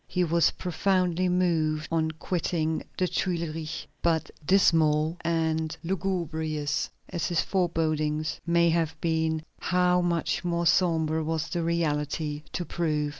He was profoundly moved on quitting the Tuileries, but, dismal and lugubrious as his forebodings may have been, how much more sombre was the reality to prove!